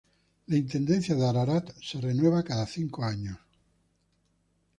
La intendencia de Ararat se renueva cada cinco años.